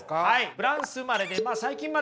フランス生まれで最近までね